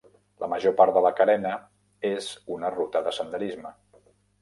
La major part de la carena és una ruta de senderisme.